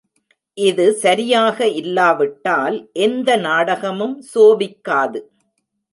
இது சரியாக இல்லாவிட்டால் எந்த நாகடமும் சோபிக்காது.